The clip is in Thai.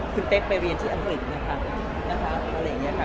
คุณเป๊กไปเรียนที่อังกฤษนะคะอะไรอย่างนี้ค่ะ